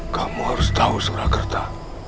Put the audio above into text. kamu harus tahu surakerta